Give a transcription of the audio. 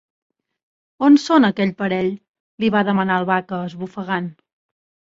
On són aquell parell? —li va demanar el Vaca, esbufegant.